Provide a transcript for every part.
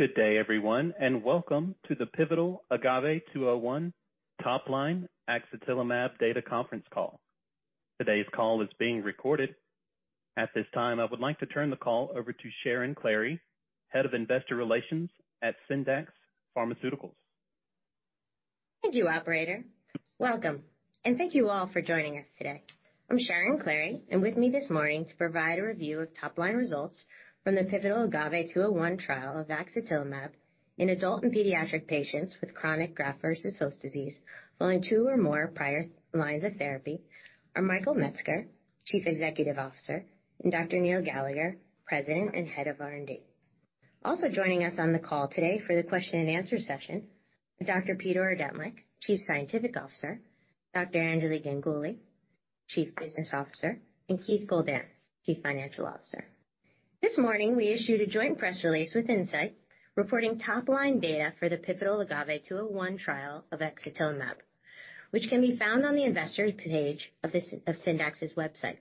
Good day, everyone, welcome to the pivotal AGAVE-201 top line axatilimab data conference call. Today's call is being recorded. At this time, I would like to turn the call over to Sharon Klahre, Head of Investor Relations at Syndax Pharmaceuticals. Thank you, operator. Welcome. Thank you all for joining us today. I'm Sharon Klahre. With me this morning to provide a review of top-line results from the pivotal AGAVE-201 trial of axatilimab in adult and pediatric patients with chronic graft-versus-host disease, following 2 or more prior lines of therapy, are Michael Metzger, Chief Executive Officer, and Dr. Neil Gallagher, President and Head of R&D. Joining us on the call today for the question and answer session are Dr. Peter Ordentlich, Chief Scientific Officer, Dr. Anjali Ganguli, Chief Business Officer, and Keith Goldan, Chief Financial Officer. This morning, we issued a joint press release with Incyte, reporting top-line data for the pivotal AGAVE-201 trial of axatilimab, which can be found on the investor page of Syndax's website.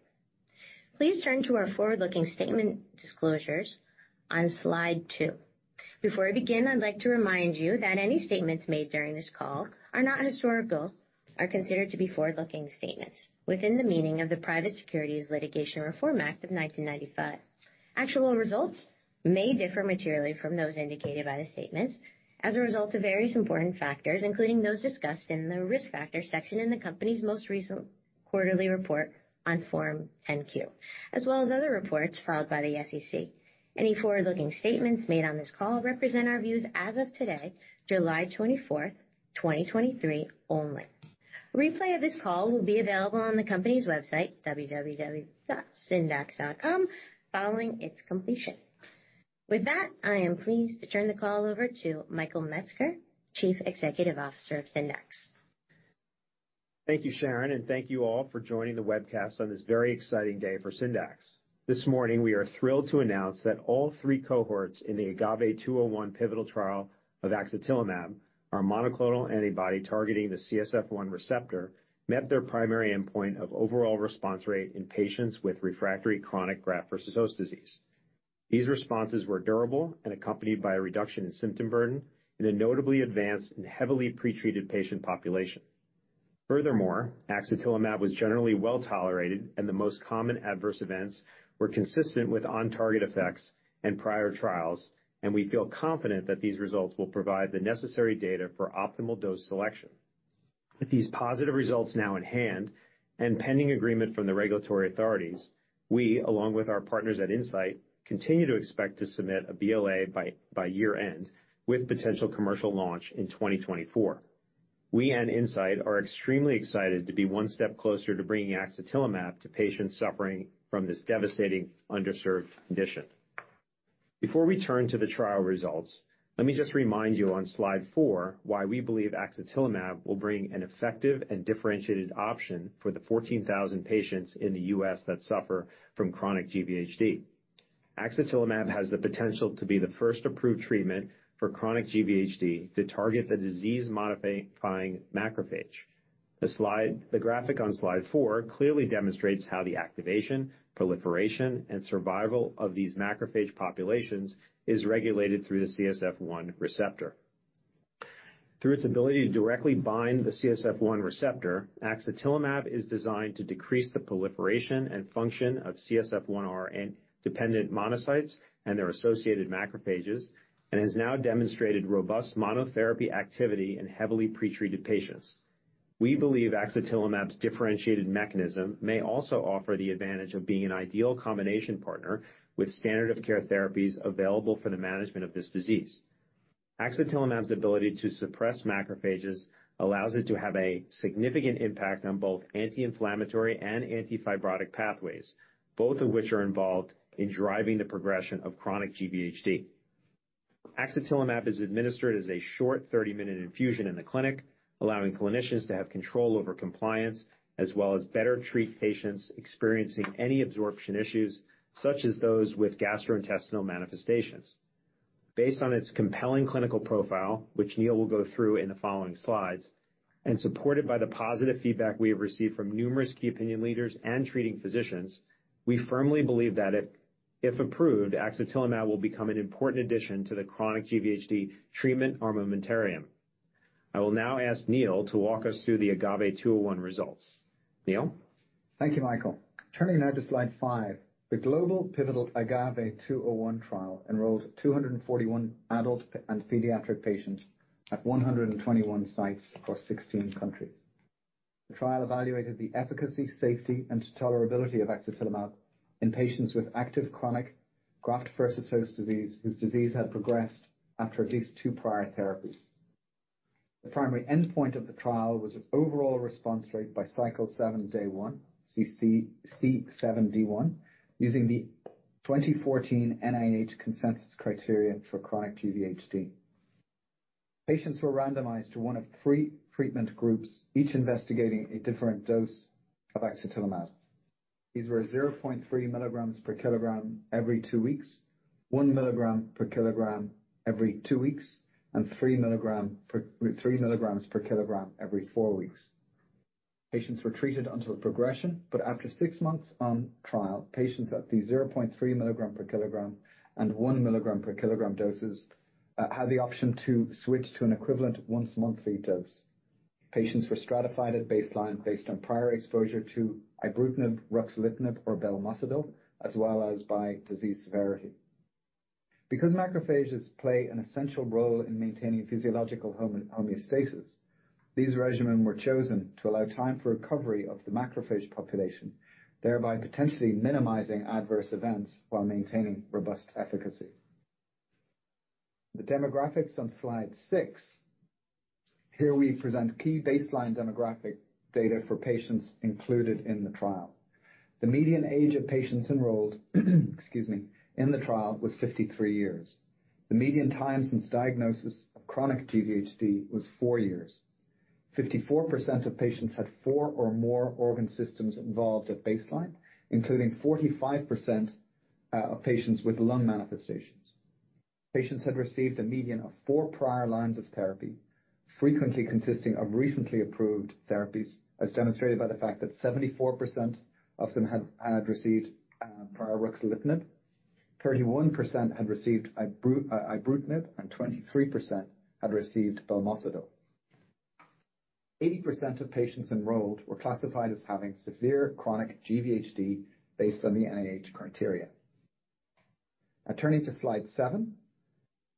Please turn to our forward-looking statement disclosures on slide 2. Before I begin, I'd like to remind you that any statements made during this call are not historical, are considered to be forward-looking statements within the meaning of the Private Securities Litigation Reform Act of 1995. Actual results may differ materially from those indicated by the statements as a result of various important factors, including those discussed in the Risk Factors section in the company's most recent quarterly report on Form 10-Q, as well as other reports filed by the SEC. Any forward-looking statements made on this call represent our views as of today, July 24th, 2023, only. A replay of this call will be available on the company's website, www.syndax.com, following its completion. I am pleased to turn the call over to Michael Metzger, Chief Executive Officer of Syndax. Thank you, Sharon. Thank you all for joining the webcast on this very exciting day for Syndax. This morning, we are thrilled to announce that all three cohorts in the AGAVE-201 pivotal trial of axatilimab, our monoclonal antibody targeting the CSF-1R, met their primary endpoint of overall response rate in patients with refractory chronic graft-versus-host disease. These responses were durable and accompanied by a reduction in symptom burden in a notably advanced and heavily pretreated patient population. Furthermore, axatilimab was generally well tolerated, and the most common adverse events were consistent with on-target effects in prior trials, and we feel confident that these results will provide the necessary data for optimal dose selection. With these positive results now in hand and pending agreement from the regulatory authorities, we, along with our partners at Incyte, continue to expect to submit a BLA by year-end, with potential commercial launch in 2024. We and Incyte are extremely excited to be one step closer to bringing axatilimab to patients suffering from this devastating underserved condition. Before we turn to the trial results, let me just remind you on slide 4 why we believe axatilimab will bring an effective and differentiated option for the 14,000 patients in the U.S. that suffer from chronic GvHD. Axatilimab has the potential to be the first approved treatment for chronic GvHD to target the disease-modifying macrophage. The graphic on slide 4 clearly demonstrates how the activation, proliferation, and survival of these macrophage populations is regulated through the CSF1 receptor. Through its ability to directly bind the CSF-1R, axatilimab is designed to decrease the proliferation and function of CSF-1R and dependent monocytes and their associated macrophages and has now demonstrated robust monotherapy activity in heavily pretreated patients. We believe axatilimab's differentiated mechanism may also offer the advantage of being an ideal combination partner with standard of care therapies available for the management of this disease. Axatilimab's ability to suppress macrophages allows it to have a significant impact on both anti-inflammatory and anti-fibrotic pathways, both of which are involved in driving the progression of chronic GvHD. Axatilimab is administered as a short 30-minute infusion in the clinic, allowing clinicians to have control over compliance as well as better treat patients experiencing any absorption issues, such as those with gastrointestinal manifestations. Based on its compelling clinical profile, which Neil will go through in the following slides, supported by the positive feedback we have received from numerous key opinion leaders and treating physicians, we firmly believe that if approved, axatilimab will become an important addition to the chronic GvHD treatment armamentarium. I will now ask Neil to walk us through the AGAVE-201 results. Neil? Thank you, Michael. Turning now to slide 5, the global pivotal AGAVE-201 trial enrolled 241 adult and pediatric patients at 121 sites across 16 countries. The trial evaluated the efficacy, safety, and tolerability of axatilimab in patients with active chronic graft-versus-host disease, whose disease had progressed after at least two prior therapies. The primary endpoint of the trial was an overall response rate by cycle 7, day one, C7, D1, using the 2014 NIH Consensus Criteria for chronic GvHD. Patients were randomized to one of three treatment groups, each investigating a different dose of axatilimab. These were 0.3 mg/kg every two weeks, 1 mg/kg every two weeks, and 3 mg/kg every four weeks.... Patients were treated until progression, after six months on trial, patients at the 0.3 mg/kg and 1 mg/kg doses had the option to switch to an equivalent once-monthly dose. Patients were stratified at baseline based on prior exposure to ibrutinib, ruxolitinib, or belumosudil, as well as by disease severity. Because macrophages play an essential role in maintaining physiological homeostasis, these regimen were chosen to allow time for recovery of the macrophage population, thereby potentially minimizing adverse events while maintaining robust efficacy. The demographics on Slide 6. Here we present key baseline demographic data for patients included in the trial. The median age of patients enrolled, excuse me, in the trial was 53 years. The median time since diagnosis of chronic GvHD was four years. 54% of patients had 4 or more organ systems involved at baseline, including 45% of patients with lung manifestations. Patients had received a median of 4 prior lines of therapy, frequently consisting of recently approved therapies, as demonstrated by the fact that 74% of them had received prior ruxolitinib, 31% had received ibrutinib, and 23% had received belumosudil. 80% of patients enrolled were classified as having severe chronic GvHD based on the NIH criteria. Now turning to Slide 7.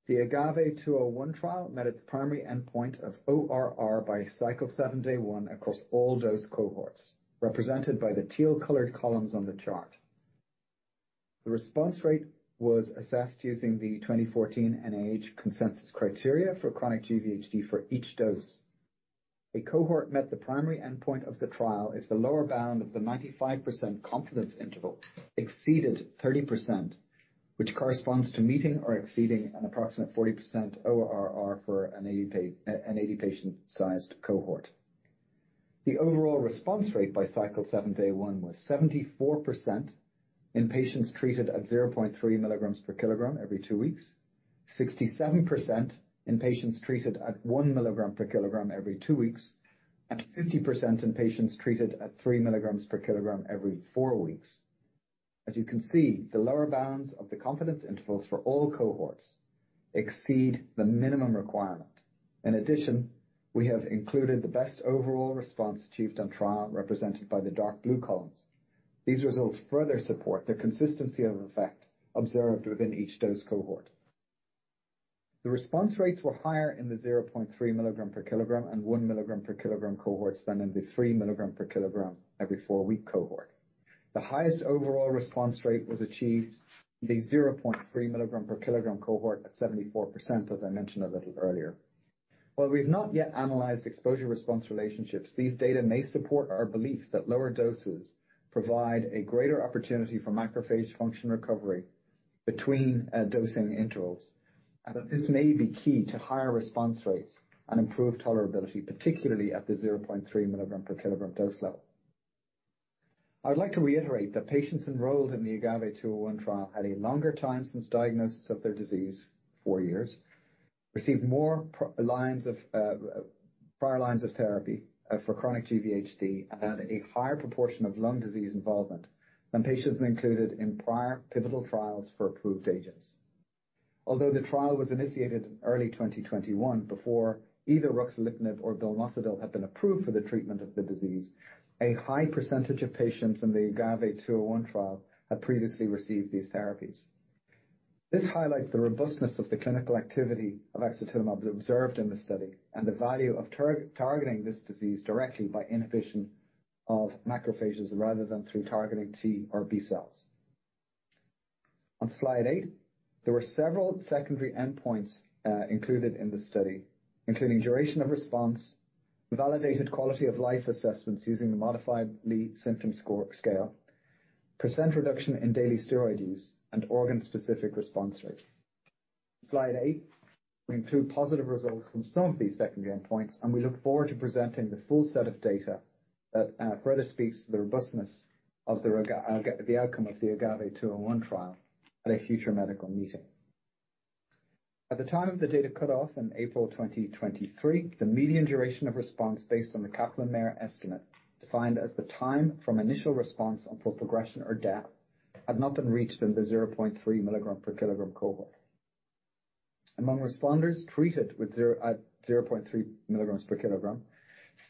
The AGAVE-201 trial met its primary endpoint of ORR by Cycle 7, Day 1 across all dose cohorts, represented by the teal-colored columns on the chart. The response rate was assessed using the 2014 NIH Consensus Criteria for chronic GvHD for each dose. A cohort met the primary endpoint of the trial if the lower bound of the 95% confidence interval exceeded 30%, which corresponds to meeting or exceeding an approximate 40% ORR for an 80 patient-sized cohort. The overall response rate by Cycle 7, Day 1, was 74% in patients treated at 0.3 mg/kg every two weeks, 67% in patients treated at 1 mg/kg every two weeks, and 50% in patients treated at 3 milligrams per kilogram every four weeks. As you can see, the lower bounds of the confidence intervals for all cohorts exceed the minimum requirement. In addition, we have included the best overall response achieved on trial, represented by the dark blue columns. These results further support the consistency of effect observed within each dose cohort. The response rates were higher in the 0.3 mg/kg and 1 mg/kg cohorts than in the 3 mg/kg everyfour week cohort. The highest overall response rate was achieved in the 0.3 mg/kg cohort at 74%, as I mentioned a little earlier. While we've not yet analyzed exposure response relationships, these data may support our belief that lower doses provide a greater opportunity for macrophage function recovery between dosing intervals, and that this may be key to higher response rates and improved tolerability, particularly at the 0.3 mg/kg dose level. I'd like to reiterate that patients enrolled in the AGAVE-201 trial had a longer time since diagnosis of their disease, 4 years, received more prior lines of therapy for chronic GvHD, and had a higher proportion of lung disease involvement than patients included in prior pivotal trials for approved agents. Although the trial was initiated in early 2021, before either ruxolitinib or belumosudil had been approved for the treatment of the disease, a high % of patients in the AGAVE-201 trial had previously received these therapies. This highlights the robustness of the clinical activity of axatilimab observed in the study, and the value of targeting this disease directly by inhibition of macrophages rather than through targeting T or B cells. On Slide 8, there were several secondary endpoints included in the study, including duration of response, validated quality of life assessments using the modified Lee Symptom Scale, % reduction in daily steroid use, and organ-specific response rate. Slide 8. We include positive results from some of these secondary endpoints, and we look forward to presenting the full set of data that further speaks to the robustness of the outcome of the AGAVE-201 trial at a future medical meeting. At the time of the data cutoff in April 2023, the median duration of response, based on the Kaplan-Meier estimate, defined as the time from initial response until progression or death, had not been reached in the 0.3 mg/kg cohort. Among responders treated at 0.3 mg/kg,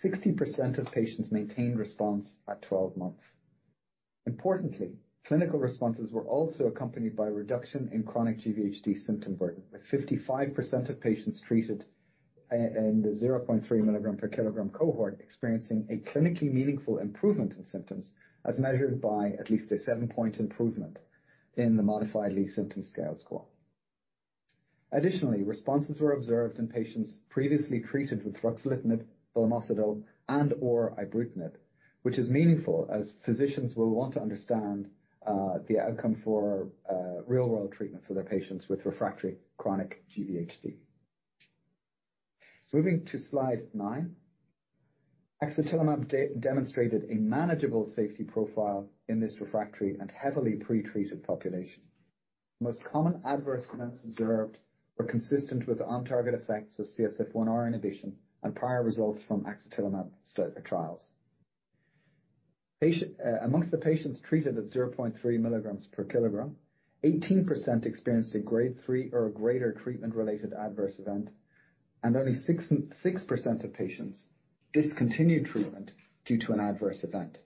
60% of patients maintained response at 12 months. Importantly, clinical responses were also accompanied by a reduction in chronic GvHD symptom burden, with 55% of patients treated in the 0.3 mg/kg cohort experiencing a clinically meaningful improvement in symptoms, as measured by at least a 7-point improvement in the modified Lee Symptom Scale score. Responses were observed in patients previously treated with ruxolitinib, belumosudil, and/or ibrutinib, which is meaningful as physicians will want to understand the outcome for real-world treatment for their patients with refractory chronic GvHD. Moving to Slide 9, axatilimab demonstrated a manageable safety profile in this refractory and heavily pretreated population. The most common adverse events observed were consistent with on-target effects of CSF1R inhibition and prior results from axatilimab trials. Patient, amongst the patients treated at 0.3 mg/kg, 18% experienced a grade three or greater treatment-related adverse event, and only 6% of patients discontinued treatment due to an adverse event.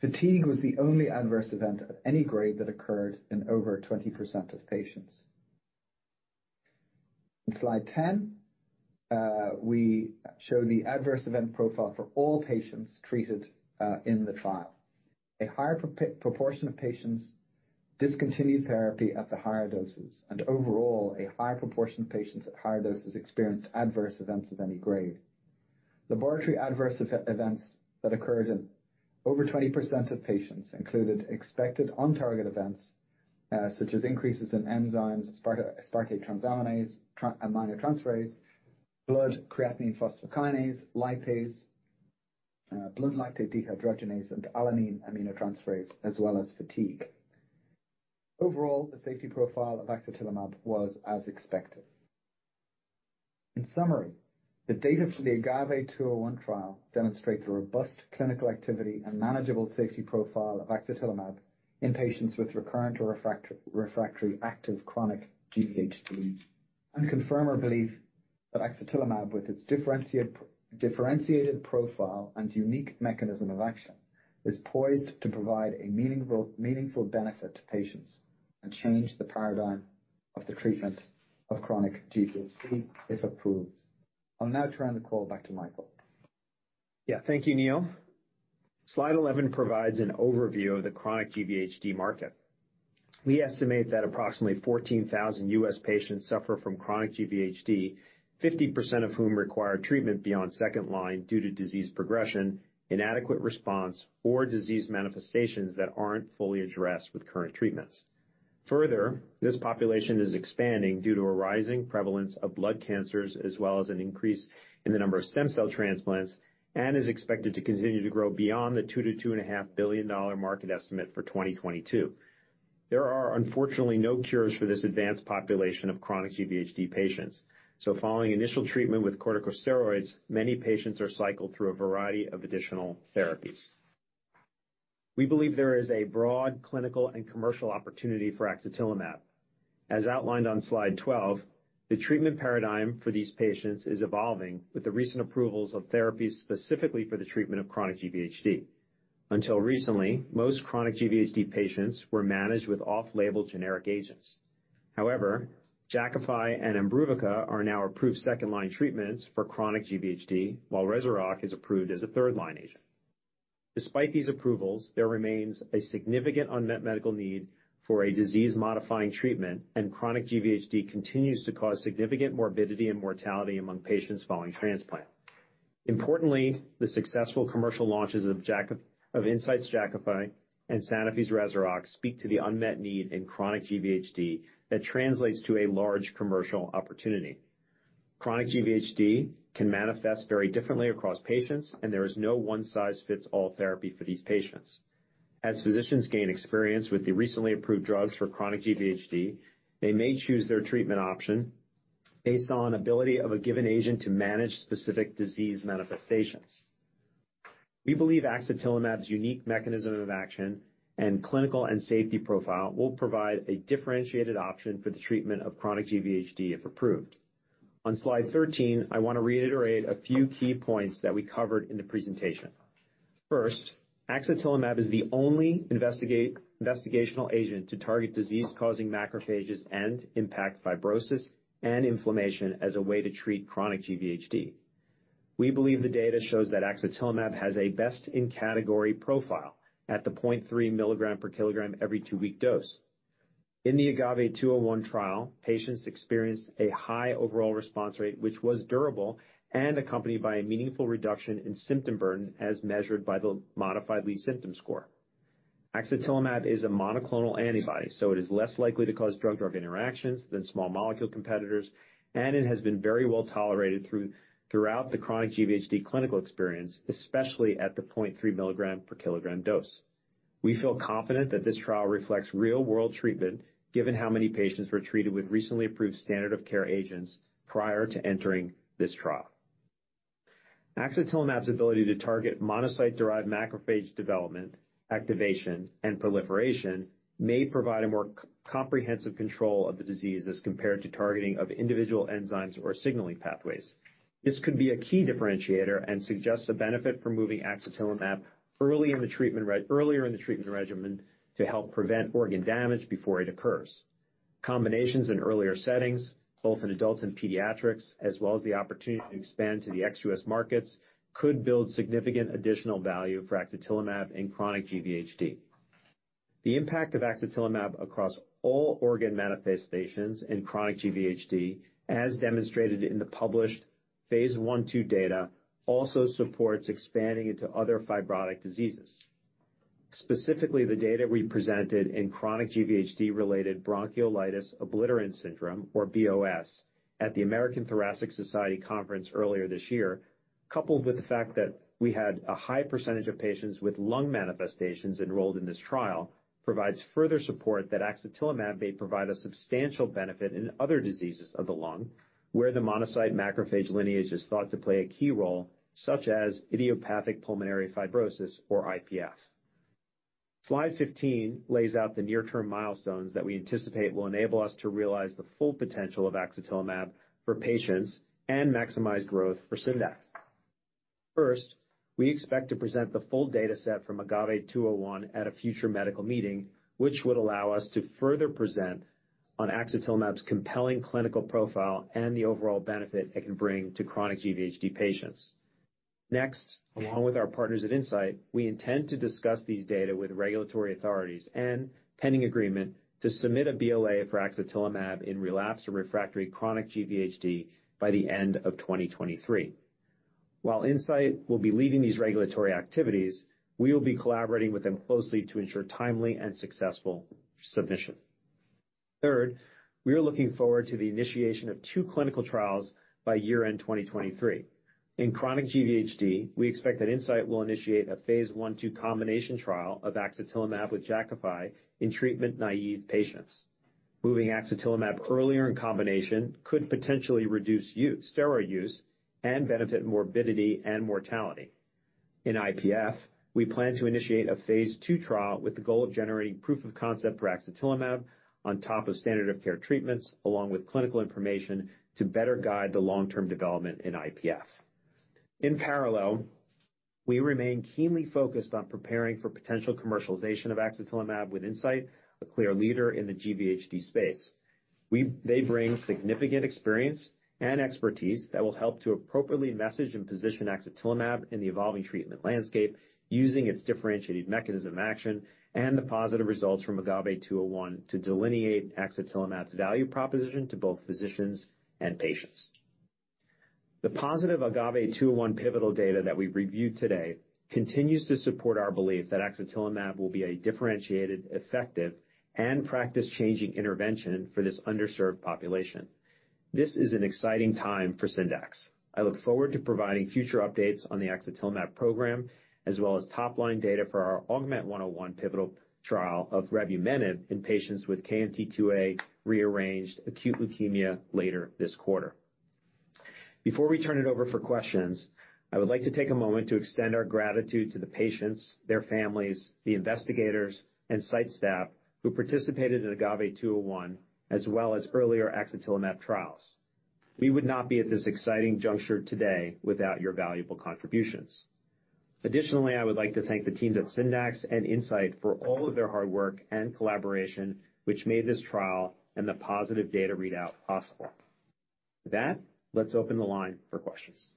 Fatigue was the only adverse event of any grade that occurred in over 20% of patients. In slide 10, we show the adverse event profile for all patients treated in the trial. A higher proportion of patients discontinued therapy at the higher doses, and overall, a higher proportion of patients at higher doses experienced adverse events of any grade. Laboratory adverse events that occurred in over 20% of patients included expected on-target events, such as increases in enzymes, aspartate aminotransferase, blood creatine phosphokinase, lipase, blood lactate dehydrogenase, and alanine aminotransferase, as well as fatigue. Overall, the safety profile of axatilimab was as expected. In summary, the data from the AGAVE-201 trial demonstrates a robust clinical activity and manageable safety profile of axatilimab in patients with recurrent or refractory active chronic GvHD, and confirm our belief that axatilimab, with its differentiated profile and unique mechanism of action, is poised to provide a meaningful benefit to patients and change the paradigm of the treatment of chronic GvHD if approved. I'll now turn the call back to Michael. Yeah. Thank you, Neil. Slide 11 provides an overview of the chronic GvHD market. We estimate that approximately 14,000 U.S. patients suffer from chronic GvHD, 50% of whom require treatment beyond second line due to disease progression, inadequate response, or disease manifestations that aren't fully addressed with current treatments. This population is expanding due to a rising prevalence of blood cancers, as well as an increase in the number of stem cell transplants, and is expected to continue to grow beyond the $2 billion-$2.5 billion market estimate for 2022. There are, unfortunately, no cures for this advanced population of chronic GvHD patients. Following initial treatment with corticosteroids, many patients are cycled through a variety of additional therapies. We believe there is a broad clinical and commercial opportunity for axatilimab. As outlined on slide 12, the treatment paradigm for these patients is evolving with the recent approvals of therapies specifically for the treatment of chronic GvHD. Until recently, most chronic GvHD patients were managed with off-label generic agents. However, Jakafi and Imbruvica are now approved second line treatments for chronic GvHD, while Rezurock is approved as a third-line agent. Despite these approvals, there remains a significant unmet medical need for a disease-modifying treatment, and chronic GvHD continues to cause significant morbidity and mortality among patients following transplant. Importantly, the successful commercial launches of Incyte's Jakafi and Sanofi's Rezurock speak to the unmet need in chronic GvHD that translates to a large commercial opportunity. Chronic GvHD can manifest very differently across patients, and there is no one-size-fits-all therapy for these patients. As physicians gain experience with the recently approved drugs for chronic GvHD, they may choose their treatment option based on ability of a given agent to manage specific disease manifestations. We believe axatilimab's unique mechanism of action and clinical and safety profile will provide a differentiated option for the treatment of chronic GvHD, if approved. On slide 13, I want to reiterate a few key points that we covered in the presentation. First, axatilimab is the only investigational agent to target disease-causing macrophages and impact fibrosis and inflammation as a way to treat chronic GvHD. We believe the data shows that axatilimab has a best-in-category profile at the 0.3 mg/kg every two week dose. In the AGAVE-201 trial, patients experienced a high overall response rate, which was durable and accompanied by a meaningful reduction in symptom burden, as measured by the modified Lee Symptom Scale. axatilimab is a monoclonal antibody, it is less likely to cause drug-drug interactions than small molecule competitors, it has been very well tolerated throughout the chronic GvHD clinical experience, especially at the 0.3 mg/kg dose. We feel confident that this trial reflects real-world treatment, given how many patients were treated with recently approved standard of care agents prior to entering this trial. axatilimab's ability to target monocyte-derived macrophage development, activation, and proliferation may provide a more comprehensive control of the disease as compared to targeting of individual enzymes or signaling pathways. This could be a key differentiator and suggests a benefit for moving axatilimab earlier in the treatment regimen to help prevent organ damage before it occurs. Combinations in earlier settings, both in adults and pediatrics, as well as the opportunity to expand to the ex-US markets, could build significant additional value for axatilimab in chronic GvHD. The impact of axatilimab across all organ manifestations in chronic GvHD, as demonstrated in the published phase 1/2 data, also supports expanding into other fibrotic diseases. Specifically, the data we presented in chronic GvHD-related bronchiolitis obliterans syndrome, or BOS, at the American Thoracic Society conference earlier this year, coupled with the fact that we had a high percentage of patients with lung manifestations enrolled in this trial, provides further support that axatilimab may provide a substantial benefit in other diseases of the lung, where the monocyte macrophage lineage is thought to play a key role, such as idiopathic pulmonary fibrosis, or IPF. Slide 15 lays out the near-term milestones that we anticipate will enable us to realize the full potential of axatilimab for patients and maximize growth for Syndax. We expect to present the full data set from AGAVE-201 at a future medical meeting, which would allow us to further present on axatilimab's compelling clinical profile and the overall benefit it can bring to chronic GvHD patients. Along with our partners at Incyte, we intend to discuss these data with regulatory authorities and pending agreement to submit a BLA for axatilimab in relapsed or refractory chronic GvHD by the end of 2023. While Incyte will be leading these regulatory activities, we will be collaborating with them closely to ensure timely and successful submission. We are looking forward to the initiation of two clinical trials by year-end 2023. In chronic GvHD, we expect that Incyte will initiate a phase 1/2 combination trial of axatilimab with Jakafi in treatment-naive patients. Moving axatilimab earlier in combination could potentially reduce steroid use and benefit morbidity and mortality. In IPF, we plan to initiate a phase II trial with the goal of generating proof of concept for axatilimab on top of standard of care treatments, along with clinical information to better guide the long-term development in IPF. We remain keenly focused on preparing for potential commercialization of axatilimab with Incyte, a clear leader in the GvHD space. They bring significant experience and expertise that will help to appropriately message and position axatilimab in the evolving treatment landscape using its differentiated mechanism of action and the positive results from AGAVE-201 to delineate axatilimab's value proposition to both physicians and patients. The positive AGAVE-201 pivotal data that we've reviewed today continues to support our belief that axatilimab will be a differentiated, effective, and practice-changing intervention for this underserved population. This is an exciting time for Syndax. I look forward to providing future updates on the axatilimab program, as well as top-line data for our AUGMENT-101 pivotal trial of revumenib in patients with KMT2A rearranged acute leukemia later this quarter. Before we turn it over for questions, I would like to take a moment to extend our gratitude to the patients, their families, the investigators, and site staff who participated in AGAVE-201, as well as earlier axatilimab trials. We would not be at this exciting juncture today without your valuable contributions. Additionally, I would like to thank the teams at Syndax and Incyte for all of their hard work and collaboration, which made this trial and the positive data readout possible. With that, let's open the line for questions.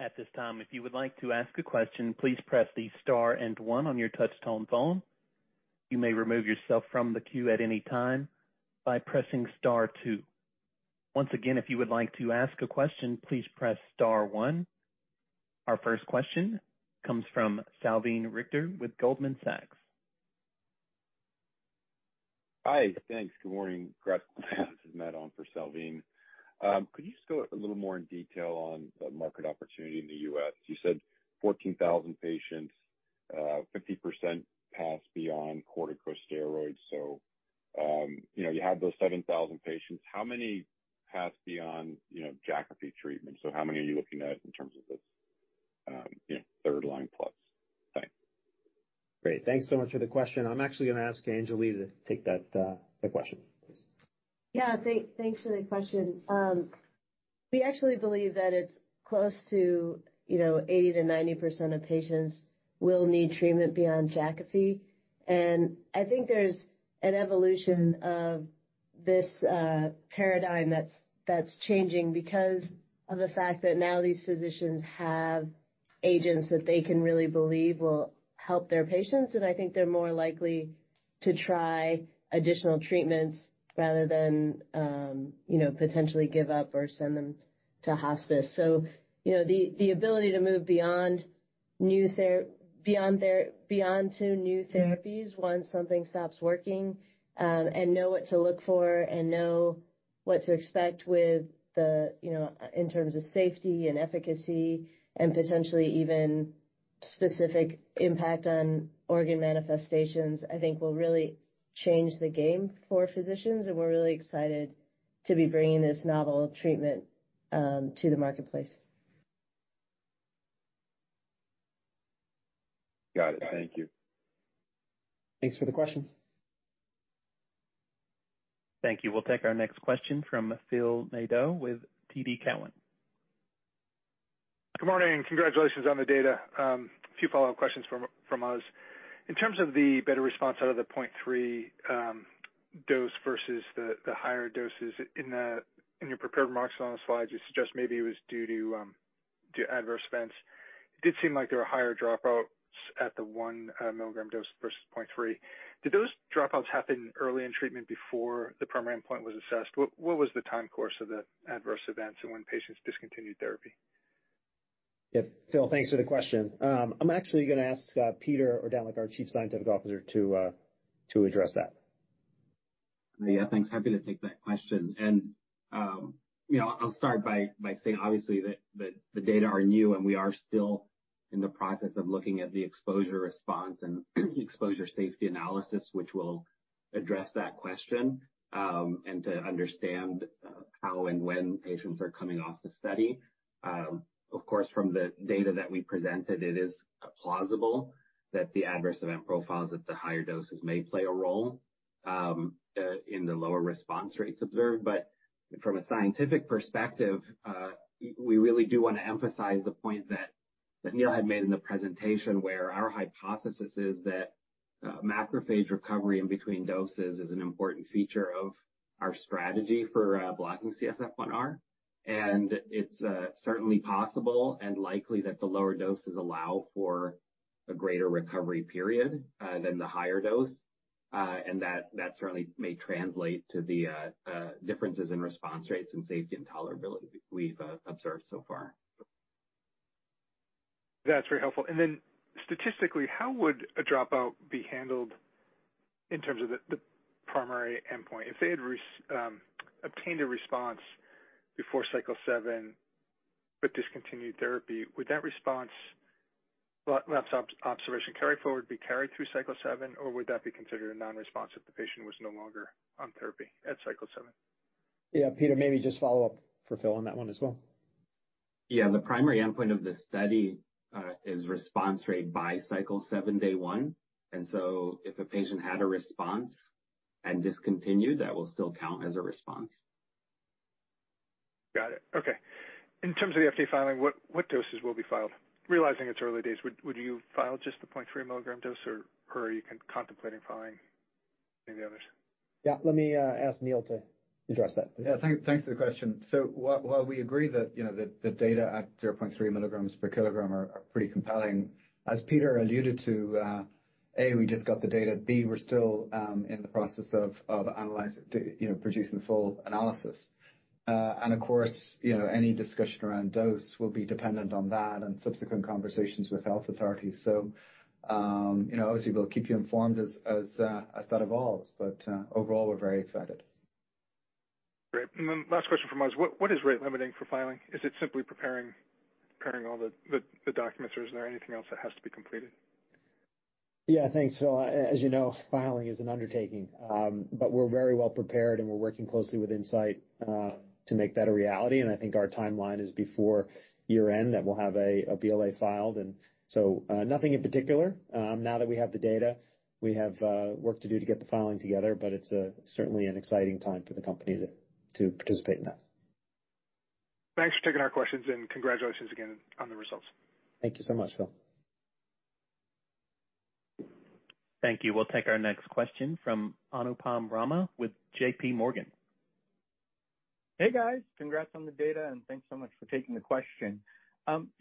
At this time, if you would like to ask a question, please press the star and one on your touchtone phone. You may remove yourself from the queue at any time by pressing star two. Once again, if you would like to ask a question, please press star one. Our first question comes from Salveen Richter with Goldman Sachs. Hi, thanks. Good morning. This is Matt on for Salveen. Could you just go a little more in detail on the market opportunity in the US? You said 14,000 patients, 50% pass beyond corticosteroids. You know, you have those 7,000 patients. How many pass beyond, you know, Jakafi treatment? How many are you looking at in terms of this, you know, third line plus? Thanks. Great. Thanks so much for the question. I'm actually going to ask Anjali to take that, the question, please. Yeah. Thanks for the question. We actually believe that it's close to, you know, 80%-90% of patients will need treatment beyond Jakafi. I think there's an evolution of this paradigm that's changing because of the fact that now these physicians have agents that they can really believe will help their patients, and I think they're more likely to try additional treatments rather than, you know, potentially give up or send them to hospice. You know, the ability to move beyond to new therapies once something stops working, and know what to look for and know what to expect with the, you know, in terms of safety and efficacy and potentially even specific impact on organ manifestations, I think will really change the game for physicians, and we're really excited to be bringing this novel treatment to the marketplace. Got it. Thank you. Thanks for the question. Thank you. We'll take our next question from Phil Nadeau with TD Cowen. Good morning. Congratulations on the data. A few follow-up questions from us. In terms of the better response out of the 0.3 dose versus the higher doses, in your prepared remarks on the slides, you suggest maybe it was due to adverse events. It did seem like there were higher dropouts at the 1 milligram dose versus 0.3. Did those dropouts happen early in treatment before the primary endpoint was assessed? What was the time course of the adverse events and when patients discontinued therapy? ... Yeah, Phil, thanks for the question. I'm actually going to ask Peter Ordentlich, our Chief Scientific Officer, to address that. Yeah, thanks. Happy to take that question. You know, I'll start by saying obviously, that the data are new, and we are still in the process of looking at the exposure response and exposure safety analysis, which will address that question. To understand, how and when patients are coming off the study. Of course, from the data that we presented, it is plausible that the adverse event profiles at the higher doses may play a role, in the lower response rates observed. From a scientific perspective, we really do want to emphasize the point that Neil had made in the presentation, where our hypothesis is that macrophage recovery in between doses is an important feature of our strategy for blocking CSF-1R. It's certainly possible and likely that the lower doses allow for a greater recovery period than the higher dose. That certainly may translate to the differences in response rates and safety and tolerability we've observed so far. That's very helpful. Statistically, how would a dropout be handled in terms of the primary endpoint? If they had obtained a response before cycle seven, but discontinued therapy, would that response, well, that's observation carry forward, be carried through cycle seven, or would that be considered a non-response if the patient was no longer on therapy at cycle seven? Yeah, Peter, maybe just follow up for Phil on that one as well. Yeah, the primary endpoint of the study is response rate by cycle 7, day 1. If a patient had a response and discontinued, that will still count as a response. Got it. Okay. In terms of the FDA filing, what doses will be filed? Realizing it's early days, would you file just the 0.3 milligram dose, or are you contemplating filing any of the others? Yeah, let me ask Neil to address that. Yeah. Thanks for the question. While we agree that, you know, the data at 0.3 mg/kg are pretty compelling, as Peter alluded to, A, we just got the data, B, we're still in the process of analyzing, you know, producing the full analysis. Of course, you know, any discussion around dose will be dependent on that and subsequent conversations with health authorities. Obviously, we'll keep you informed as that evolves, but overall, we're very excited. Great. Then last question from us, what is rate limiting for filing? Is it simply preparing all the documents, or is there anything else that has to be completed? Yeah, thanks, Phil. As you know, filing is an undertaking, but we're very well prepared, and we're working closely with Incyte to make that a reality. I think our timeline is before year-end, that we'll have a BLA filed. Nothing in particular. Now that we have the data, we have work to do to get the filing together, but it's certainly an exciting time for the company to participate in that. Thanks for taking our questions, and congratulations again on the results. Thank you so much, Phil. Thank you. We'll take our next question from Anupam Rama with JP Morgan. Hey, guys! Congrats on the data, and thanks so much for taking the question.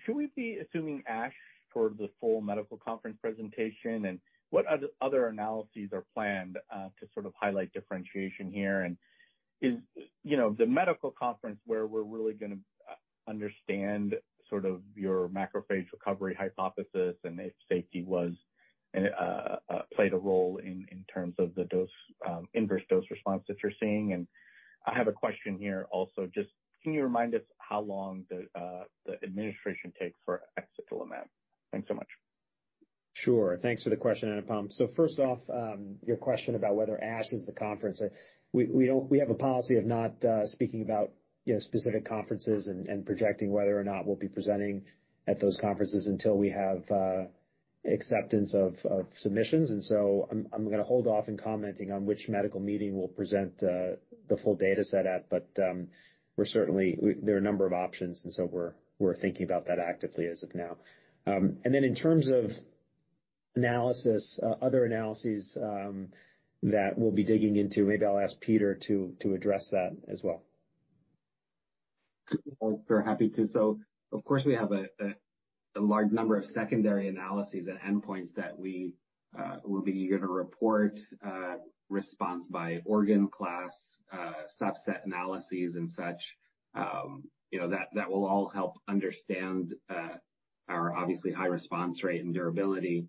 Should we be assuming ASH towards the full medical conference presentation? What other analyses are planned to sort of highlight differentiation here? Is, you know, the medical conference where we're really going to understand sort of your macrophage recovery hypothesis and if safety was and played a role in terms of the dose inverse dose response that you're seeing? I have a question here also, just can you remind us how long the administration takes for axicabtagene ciloleucel? Thanks so much. Sure. Thanks for the question, Anupam. First off, your question about whether ASH is the conference. We have a policy of not speaking about, you know, specific conferences and projecting whether or not we'll be presenting at those conferences until we have acceptance of submissions. I'm going to hold off in commenting on which medical meeting we'll present the full data set at. there are a number of options, and so we're thinking about that actively as of now. In terms of analysis, other analyses that we'll be digging into, maybe I'll ask Peter to address that as well. Very happy to. Of course, we have a large number of secondary analyses and endpoints that we will be eager to report, response by organ class, subset analyses and such. You know, that will all help understand our obviously high response rate and durability.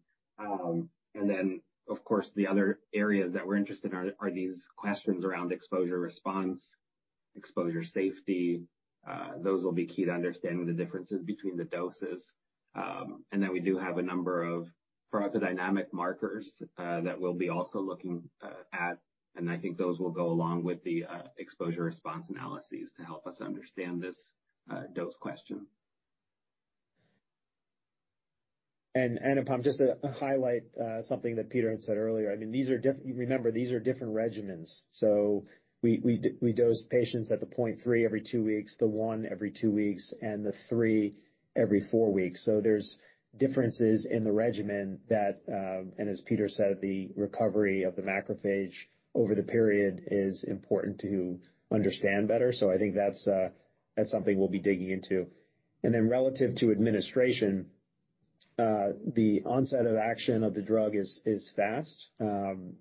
Of course, the other areas that we're interested in are these questions around exposure response, exposure safety. Those will be key to understanding the differences between the doses. We do have a number of pharmacodynamic markers that we'll be also looking at, and I think those will go along with the exposure response analyses to help us understand this dose question. Anupam, just to highlight, something that Peter had said earlier, I mean, these are remember, these are different regimens. We dose patients at the 0.3 every two weeks, the 1 every two weeks, and the 3 every four weeks. There's differences in the regimen that. As Peter said, the recovery of the macrophage over the period is important to understand better. I think that's something we'll be digging into. Then relative to the onset of action of the drug is fast. While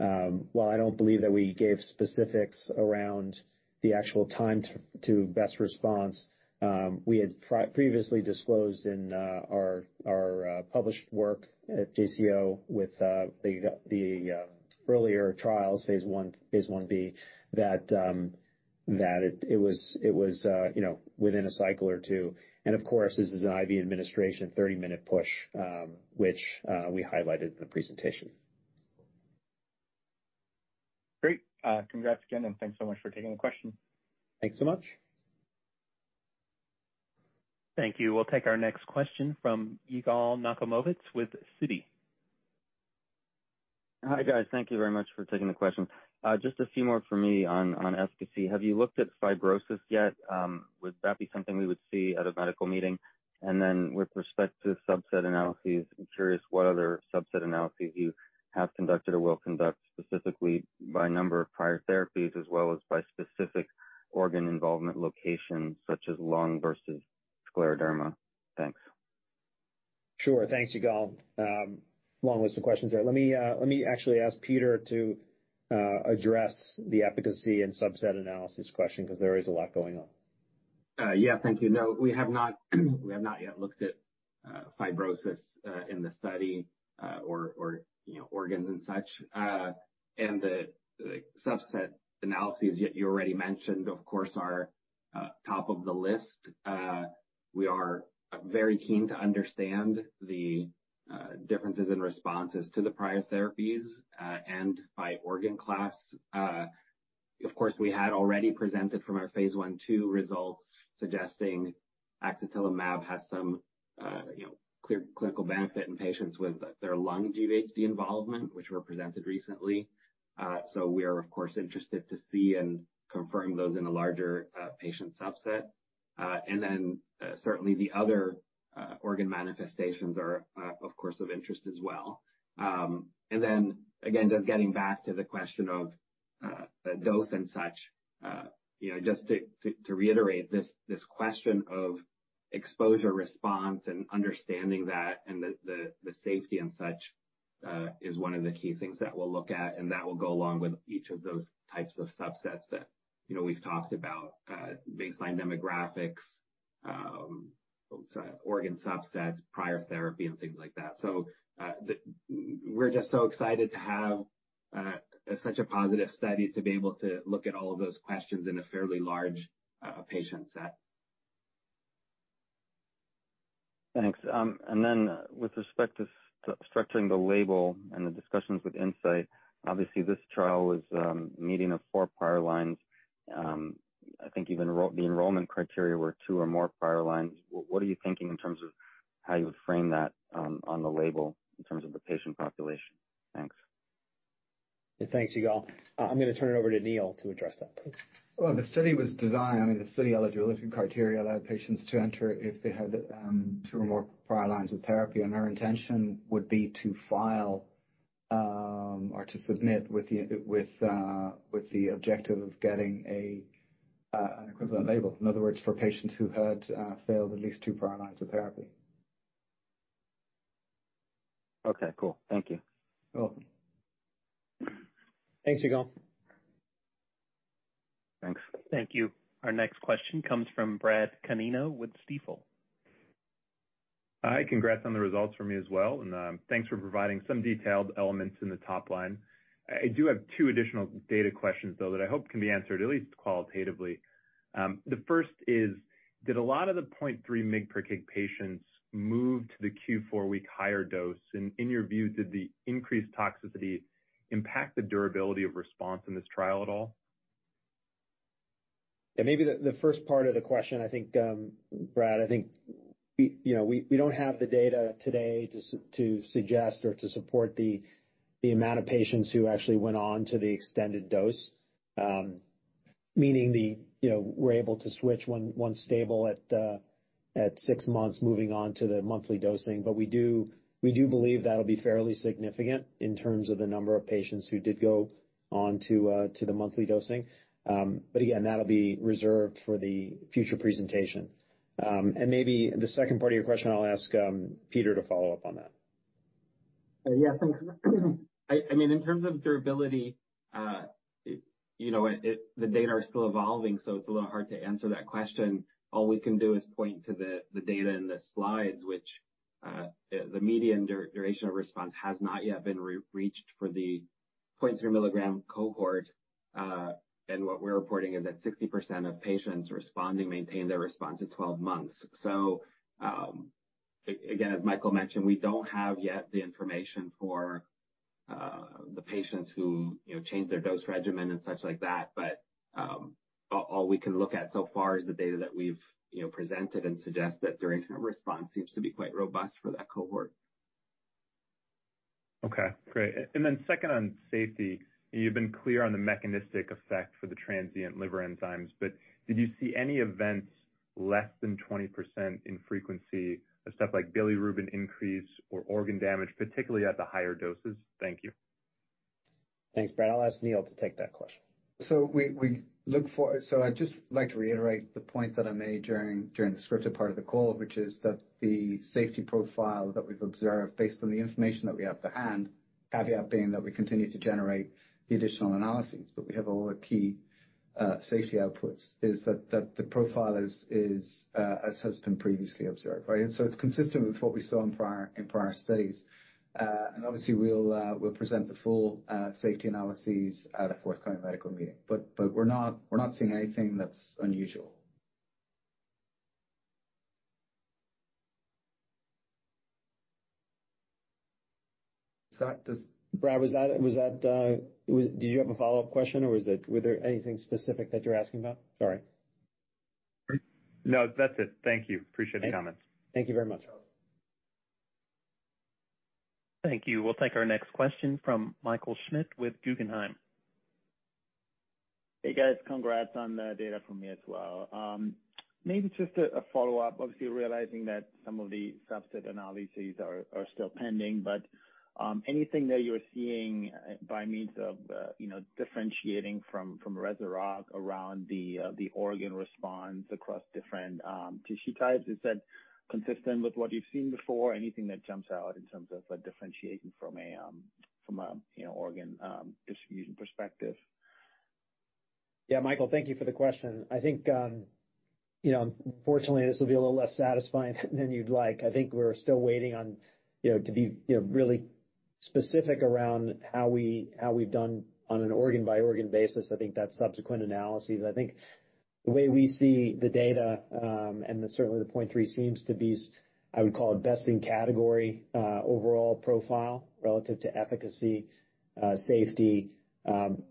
I don't believe that we gave specifics around the actual time to best response, we had previously disclosed in our published work at JCO with the earlier trials, phase I, phase IB, that it was, you know, within a cycle or two. Of course, this is an IV administration, 30-minute push, which we highlighted in the presentation. Great. congrats again, and thanks so much for taking the question. Thanks so much. Thank you. We'll take our next question from Yigal Nochomovitz with Citi. Hi, guys. Thank you very much for taking the question. Just a few more for me on efficacy. Have you looked at fibrosis yet? Would that be something we would see at a medical meeting? With respect to subset analyses, I'm curious what other subset analyses you have conducted or will conduct, specifically by number of prior therapies, as well as by specific organ involvement locations, such as lung versus scleroderma. Thanks. Sure. Thanks, Yigal. Long list of questions there. Let me actually ask Peter to address the efficacy and subset analysis question, 'cause there is a lot going on. Thank you. No, we have not yet looked at fibrosis in the study or, you know, organs and such. The subset analyses that you already mentioned, of course, are top of the list. We are very keen to understand the differences in responses to the prior therapies and by organ class. Of course, we had already presented from our phase I, II results, suggesting axatilimab has some, you know, clinical benefit in patients with their lung GvHD involvement, which were presented recently. We are, of course, interested to see and confirm those in a larger patient subset. Then certainly the other organ manifestations are, of course, of interest as well. Then again, just getting back to the question of dose and such, you know, just to reiterate this question of exposure, response, and understanding that, and the safety and such, is one of the key things that we'll look at, and that will go along with each of those types of subsets that, you know, we've talked about, baseline demographics, organ subsets, prior therapy, and things like that. We're just so excited to have such a positive study, to be able to look at all of those questions in a fairly large patient set. Thanks. Then with respect to structuring the label and the discussions with Incyte, obviously, this trial was meeting of 4 prior lines. I think even the enrollment criteria were 2 or more prior lines. What are you thinking in terms of how you would frame that on the label, in terms of the patient population? Thanks. Thanks, Yigal. I'm gonna turn it over to Neil to address that. Thanks. Well, the study was designed, I mean, the study eligibility criteria allowed patients to enter if they had, two or more prior lines of therapy, and our intention would be to file, or to submit with the, with the objective of getting an equivalent label. In other words, for patients who had failed at least two prior lines of therapy. Okay, cool. Thank you. Welcome. Thanks, Yigal. Thanks. Thank you. Our next question comes from Brad Canino with Stifel. Hi, congrats on the results from me as well, thanks for providing some detailed elements in the top line. I do have two additional data questions, though, that I hope can be answered, at least qualitatively. The first is: did a lot of the 0.3 mg/kg patients move to the Q4-week higher dose? In your view, did the increased toxicity impact the durability of response in this trial at all? Yeah, maybe the first part of the question, I think, Brad, I think we, you know, we don't have the data today to suggest or to support the amount of patients who actually went on to the extended dose. Meaning the, you know, we're able to switch one stable at six months, moving on to the monthly dosing. We do, we do believe that'll be fairly significant in terms of the number of patients who did go on to the monthly dosing. Again, that'll be reserved for the future presentation. Maybe the second part of your question, I'll ask Peter to follow up on that. Yeah, thanks. I mean, in terms of durability, it, you know what? The data are still evolving, so it's a little hard to answer that question. All we can do is point to the data in the slides, which the median duration of response has not yet been reached for the 0.3 mg cohort. What we're reporting is that 60% of patients responding, maintained their response at 12 months. Again, as Michael mentioned, we don't have yet the information for the patients who, you know, changed their dose regimen and such like that. All we can look at so far is the data that we've, you know, presented and suggest that duration of response seems to be quite robust for that cohort. Okay, great. Then second, on safety, you've been clear on the mechanistic effect for the transient liver enzymes, but did you see any events less than 20% in frequency of stuff like bilirubin increase or organ damage, particularly at the higher doses? Thank you. Thanks, Brad. I'll ask Neil to take that question. I'd just like to reiterate the point that I made during the scripted part of the call, which is that the safety profile that we've observed, based on the information that we have to hand, caveat being that we continue to generate the additional analyses, but we have all the key safety outputs, is that the profile is, as has been previously observed, right? It's consistent with what we saw in prior studies. Obviously, we'll present the full safety analyses at a forthcoming medical meeting. We're not seeing anything that's unusual. Brad, was that... Do you have a follow-up question, or was there anything specific that you're asking about? Sorry. No, that's it. Thank you. Appreciate the comments. Thank you very much. Thank you. We'll take our next question from Michael Schmidt with Guggenheim. Hey, guys. Congrats on the data from me as well. Maybe just a follow-up. Obviously, realizing that some of the subset analyses are still pending, but anything that you're seeing by means of, you know, differentiating from Rezurock around the organ response across different tissue types, is that consistent with what you've seen before? Anything that jumps out in terms of a differentiation from a, you know, organ distribution perspective? Yeah, Michael, thank you for the question. I think, you know, unfortunately, this will be a little less satisfying than you'd like. I think we're still waiting on, you know, to be, you know, really specific around how we, how we've done on an organ-by-organ basis. I think that's subsequent analyses. I think the way we see the data, and certainly the 0.3 seems to be, I would call it, best in category, overall profile relative to efficacy, safety.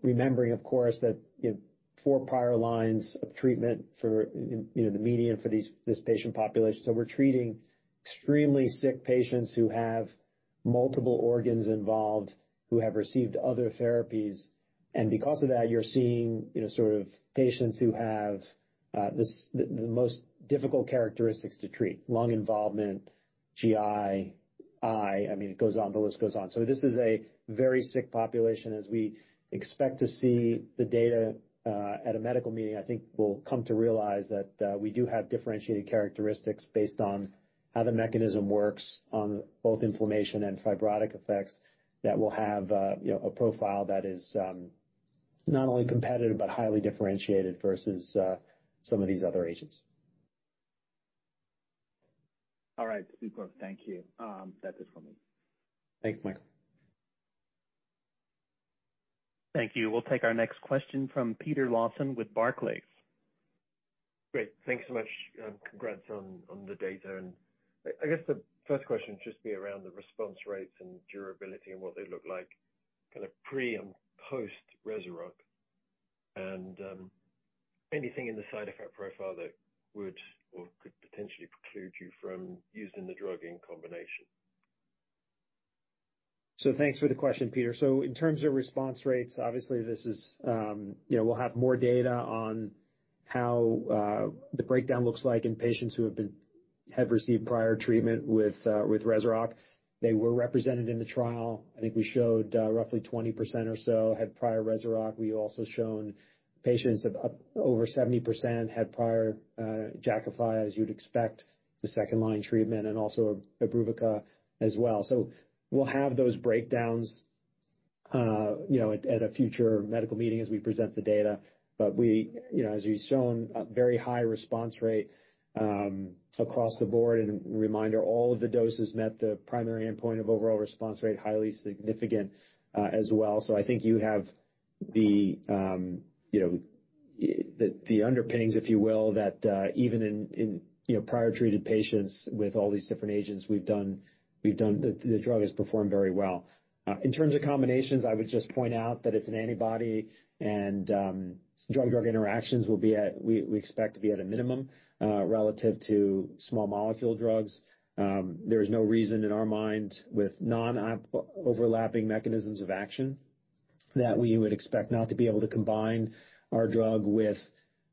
Remembering, of course, that, you know, four prior lines of treatment for, you know, the median for this patient population. We're treating extremely sick patients who have multiple organs involved, who have received other therapies, and because of that, you're seeing, you know, sort of patients who have the most difficult characteristics to treat: lung involvement, GI, eye, I mean, it goes on, the list goes on. This is a very sick population. As we expect to see the data at a medical meeting, I think we'll come to realize that we do have differentiated characteristics based on how the mechanism works on both inflammation and fibrotic effects that will have a, you know, a profile that is not only competitive, but highly differentiated versus some of these other agents. All right, super. Thank you. That's it for me. Thanks, Michael. Thank you. We'll take our next question from Peter Lawson with Barclays. Great. Thank you so much, and congrats on the data. I guess the first question would just be around the response rates and durability and what they look like, kind of pre- and post-Rezurock, and anything in the side effect profile that would or could potentially preclude you from using the drug in combination. Thanks for the question, Peter Lawson. In terms of response rates, obviously, this is, you know, we'll have more data on how the breakdown looks like in patients who have received prior treatment with Rezurock. They were represented in the trial. I think we showed roughly 20% or so had prior Rezurock. We also shown patients of up over 70% had prior Jakafi, as you'd expect, the second-line treatment, and also Imbruvica as well. We'll have those breakdowns, you know, at a future medical meeting as we present the data. We you know, as we've shown, a very high response rate across the board. Reminder, all of the doses met the primary endpoint of overall response rate, highly significant, as well. I think you have the, you know, the underpinnings, if you will, that even in prior-treated patients with all these different agents we've done, the drug has performed very well. In terms of combinations, I would just point out that it's an antibody and drug-drug interactions we expect to be at a minimum relative to small molecule drugs. There is no reason in our mind, with non-overlapping mechanisms of action, that we would expect not to be able to combine our drug with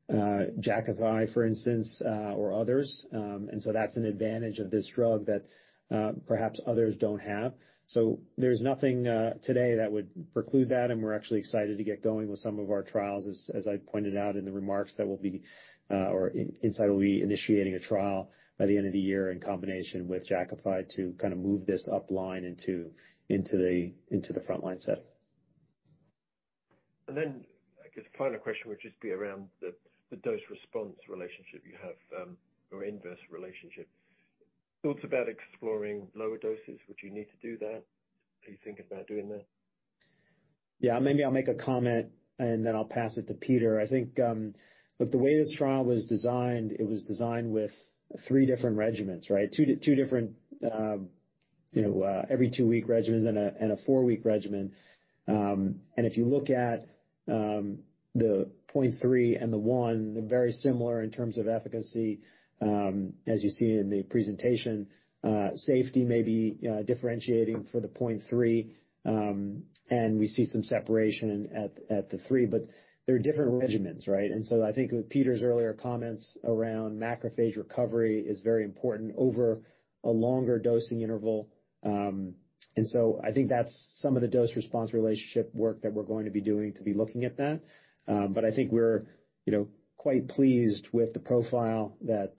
Jakafi, for instance, or others. That's an advantage of this drug that perhaps others don't have. There's nothing today that would preclude that, and we're actually excited to get going with some of our trials, as I pointed out in the remarks, that we'll be inside we'll be initiating a trial by the end of the year in combination with Jakafi to kind of move this upline into the frontline setting. I guess final question would just be around the dose-response relationship you have, or inverse relationship. Thoughts about exploring lower doses? Would you need to do that? Are you thinking about doing that? Maybe I'll make a comment, and then I'll pass it to Peter. I think, look, the way this trial was designed, it was designed with three different regimens, right? Two different, every two week regimens and a four week regimen. If you look at the 0.3 and the 1, they're very similar in terms of efficacy, as you see in the presentation. Safety may be differentiating for the 0.3, and we see some separation at the 3, but they're different regimens, right? I think with Peter's earlier comments around macrophage recovery is very important over a longer dosing interval. I think that's some of the dose-response relationship work that we're going to be doing to be looking at that. I think we're, you know, quite pleased with the profile that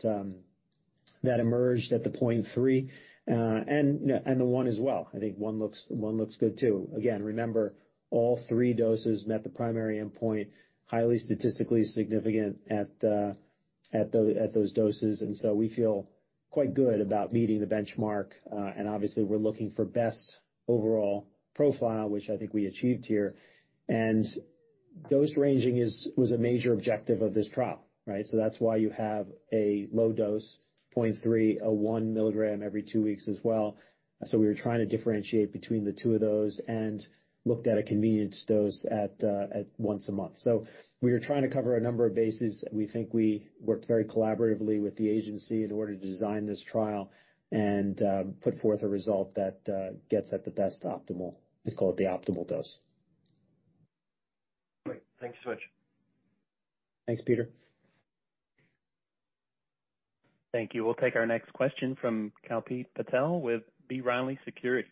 emerged at the 0.3, and, you know, and the 1 as well. I think one looks good, too. Again, remember, all 3 doses met the primary endpoint, highly statistically significant at those doses. We feel quite good about meeting the benchmark, and obviously, we're looking for best overall profile, which I think we achieved here. Dose ranging was a major objective of this trial, right? That's why you have a low dose, 0.3, a 1 mg every two weeks as well. We were trying to differentiate between the two of those and looked at a convenience dose at once a month. We were trying to cover a number of bases. We think we worked very collaboratively with the agency in order to design this trial and put forth a result that gets at the best optimal. We call it the optimal dose. Great. Thanks so much. Thanks, Peter. Thank you. We'll take our next question from Kalpit Patel with B. Riley Securities.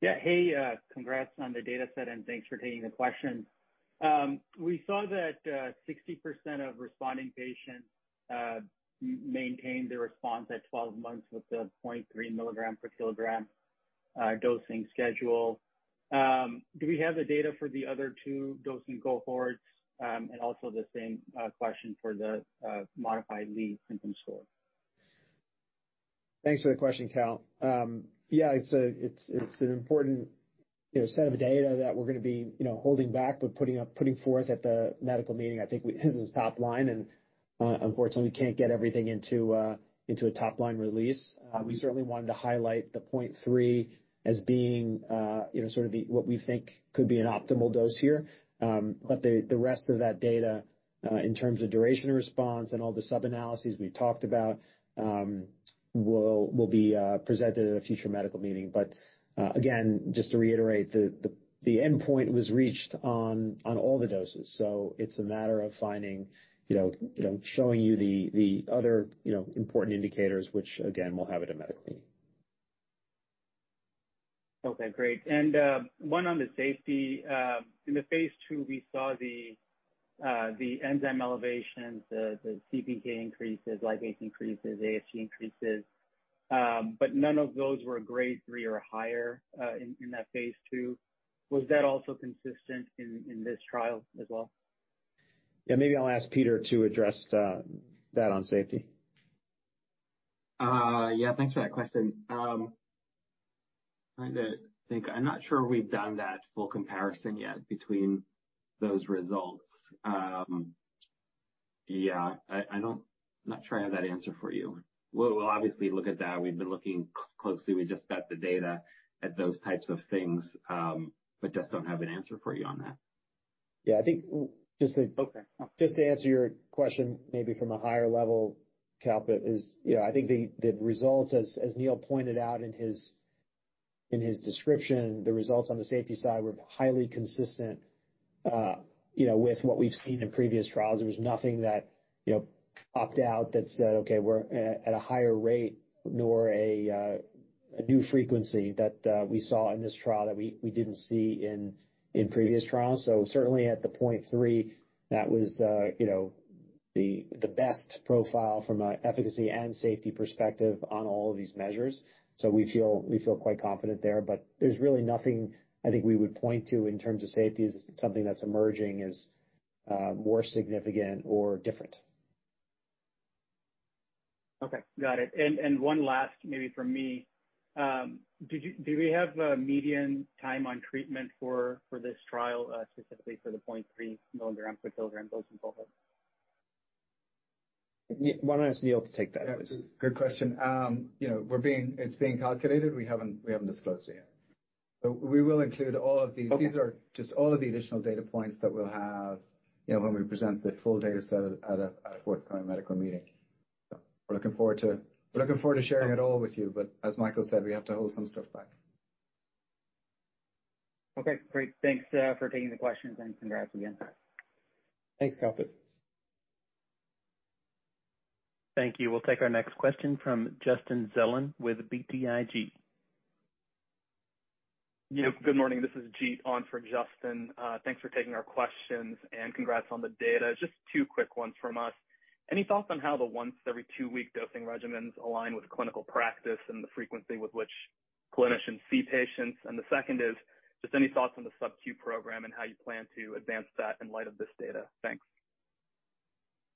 Yeah. Hey, congrats on the data set, and thanks for taking the question. We saw that 60% of responding patients maintained their response at 12 months with the 0.3 mg/kg dosing schedule. Do we have the data for the other two dosing cohorts? Also the same question for the modified Lee Symptom Scale. Thanks for the question, Kal. Yeah, it's an important, you know, set of data that we're going to be, you know, holding back, but putting forth at the medical meeting. I think we this is top line. Unfortunately, we can't get everything into a top-line release. We certainly wanted to highlight the 0.3 as being, you know, sort of the, what we think could be an optimal dose here. The rest of that data, in terms of duration of response and all the sub-analyses we've talked about, will be presented at a future medical meeting. Again, just to reiterate, the endpoint was reached on all the doses, so it's a matter of finding, you know, showing you the other, you know, important indicators, which, again, we'll have at a medical meeting. Okay, great. One on the safety. In the Phase II, we saw the enzyme elevations, the CPK increases, lipase increases, AST increases, but none of those were grade 3 or higher, in that Phase II. Was that also consistent in this trial as well? Yeah, maybe I'll ask Peter to address that on safety. Yeah, thanks for that question. Trying to think. I'm not sure we've done that full comparison yet between those results. Yeah, I don't, I'm not sure I have that answer for you. We'll obviously look at that. We've been looking closely. We just got the data at those types of things, but just don't have an answer for you on that. Yeah, I think just to... Okay. Just to answer your question, maybe from a higher level, Kalpit, is, you know, I think the results, as Neil pointed out in his, in his description, the results on the safety side were highly consistent, you know, with what we've seen in previous trials. There was nothing that, you know, opt out, that said, "Okay, we're at a higher rate," nor a new frequency that we saw in this trial that we didn't see in previous trials. Certainly at the 0.3, that was, you know, the best profile from a efficacy and safety perspective on all of these measures. We feel quite confident there, but there's really nothing I think we would point to in terms of safety as something that's emerging, as more significant or different. Okay, got it. One last maybe from me. Do we have a median time on treatment for this trial, specifically for the 0.3 mg/kg dosing cohort? Why don't ask Neil to take that please? Yeah, good question. you know, it's being calculated. We haven't disclosed it yet. We will include all of the- Okay. These are just all of the additional data points that we'll have, you know, when we present the full data set at a forthcoming medical meeting. We're looking forward to sharing it all with you, but as Michael said, we have to hold some stuff back. Okay, great. Thanks for taking the questions, and congrats again. Thanks, Kalpit. Thank you. We'll take our next question from Justin Zelin with BTIG. Yeah, good morning. This is Jeet on for Justin. Thanks for taking our questions, and congrats on the data. Just two quick ones from us. Any thoughts on how the once every two-week dosing regimens align with clinical practice and the frequency with which clinicians see patients? The second is, just any thoughts on the sub-Q program and how you plan to advance that in light of this data? Thanks.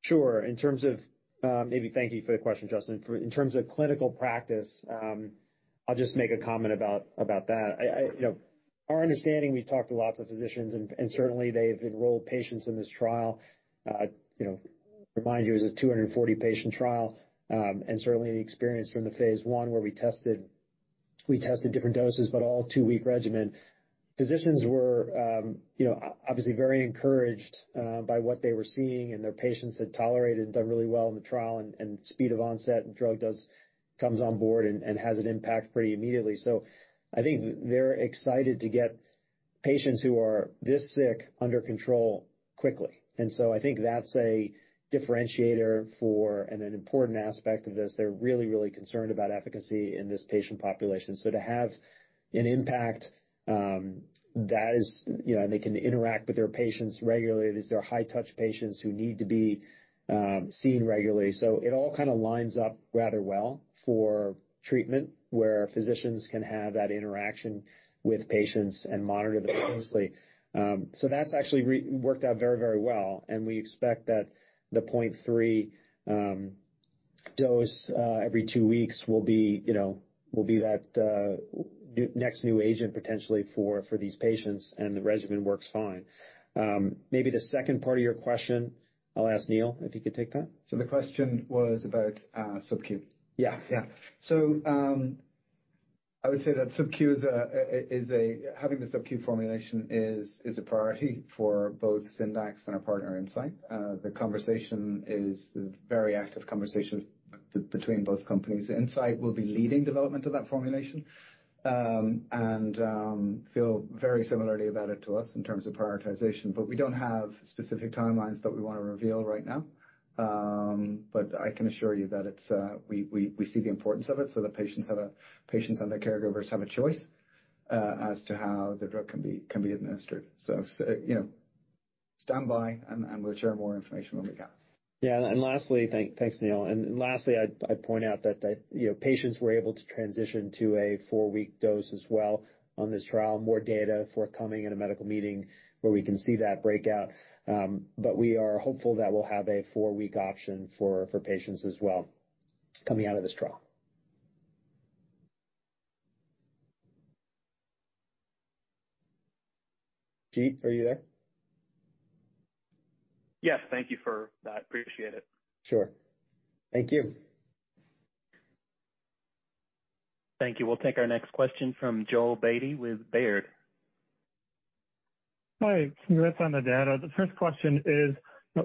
Sure. In terms of, maybe thank you for the question, Justin. In terms of clinical practice, I'll just make a comment about that. You know, our understanding, we've talked to lots of physicians, and certainly they've enrolled patients in this trial. You know, remind you, it's a 240 patient trial, and certainly the experience from the phase I where we tested different doses, but all two week regimen. Physicians were, you know, obviously very encouraged by what they were seeing, and their patients had tolerated and done really well in the trial and speed of onset and drug comes on board and has an impact pretty immediately. I think they're excited to get patients who are this sick under control quickly. I think that's a differentiator for, and an important aspect of this. They're really concerned about efficacy in this patient population. To have an impact, that is, you know, and they can interact with their patients regularly. These are high-touch patients who need to be seen regularly. It all kind of lines up rather well for treatment, where physicians can have that interaction with patients and monitor them closely. That's actually worked out very well, and we expect that the 0.3 dose every two weeks will be, you know, will be that next new agent potentially for these patients, and the regimen works fine. Maybe the second part of your question, I'll ask Neil, if you could take that? The question was about, sub-Q. Yeah. Yeah. I would say that having the sub-Q formulation is a priority for both Syndax and our partner, Incyte. The conversation is a very active conversation between both companies. Incyte will be leading development of that formulation, and feel very similarly about it to us in terms of prioritization, but we don't have specific timelines that we want to reveal right now. I can assure you that it's, we see the importance of it, so the patients and their caregivers have a choice, as to how the drug can be administered. You know, stand by, and we'll share more information when we can. Lastly, thanks, Neil. Lastly, I'd point out that the, you know, patients were able to transition to a four week dose as well on this trial. More data forthcoming in a medical meeting where we can see that breakout. We are hopeful that we'll have a four week option for patients as well coming out of this trial. Jeet, are you there? Yes, thank you for that. Appreciate it. Sure. Thank you. Thank you. We'll take our next question from Joel Beatty with Baird. Hi, that's on the data. The first question is: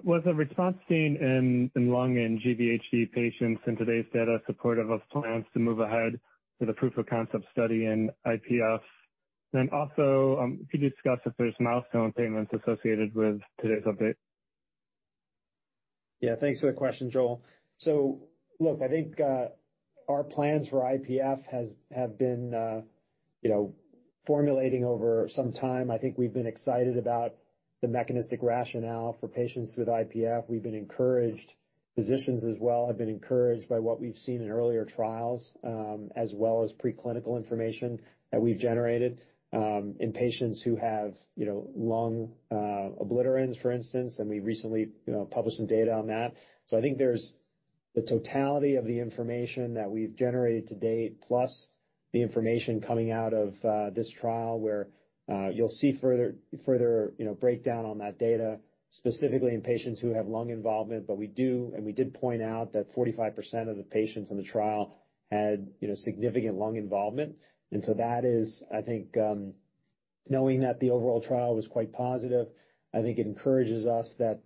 Was the response seen in lung and GvHD patients in today's data supportive of plans to move ahead with a proof-of-concept study in IPF? Also, could you discuss if there's milestone payments associated with today's update? Yeah, thanks for the question, Joel. Look, I think, our plans for IPF have been, you know, formulating over some time. I think we've been excited about the mechanistic rationale for patients with IPF. We've been encouraged, physicians as well, have been encouraged by what we've seen in earlier trials, as well as preclinical information that we've generated, in patients who have, you know, lung, obliterans, for instance, and we recently, you know, published some data on that. I think there's the totality of the information that we've generated to date, plus the information coming out of this trial, where you'll see further, you know, breakdown on that data, specifically in patients who have lung involvement. We do, and we did point out that 45% of the patients in the trial had, you know, significant lung involvement. That is, I think, knowing that the overall trial was quite positive, I think it encourages us that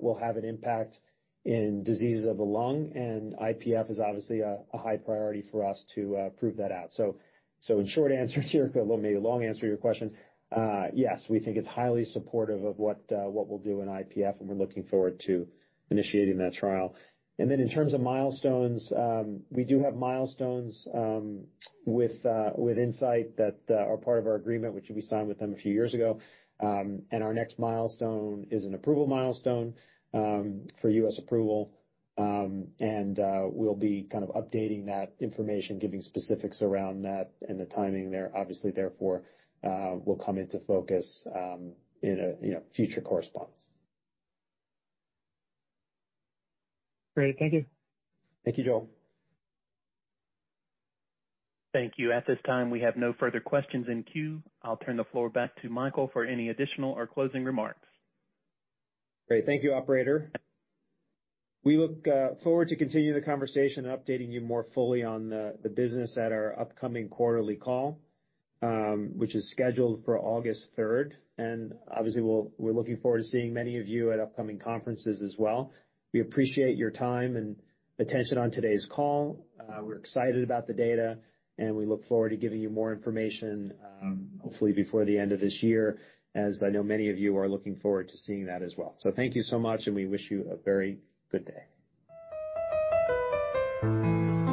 we'll have an impact in diseases of the lung, and IPF is obviously a high priority for us to prove that out. In short answer to your well, maybe long answer to your question, yes, we think it's highly supportive of what we'll do in IPF, and we're looking forward to initiating that trial. In terms of milestones, we do have milestones with Incyte that are part of our agreement, which we signed with them a few years ago. Our next milestone is an approval milestone for U.S. approval. We'll be kind of updating that information, giving specifics around that and the timing there. Obviously, therefore, we'll come into focus, in a, you know, future correspondence. Great. Thank you. Thank you, Joel. Thank you. At this time, we have no further questions in queue. I'll turn the floor back to Michael for any additional or closing remarks. Great. Thank you, operator. We look forward to continuing the conversation and updating you more fully on the business at our upcoming quarterly call, which is scheduled for August 3rd. Obviously we're looking forward to seeing many of you at upcoming conferences as well. We appreciate your time and attention on today's call. We're excited about the data, and we look forward to giving you more information, hopefully before the end of this year, as I know many of you are looking forward to seeing that as well. Thank you so much, and we wish you a very good day.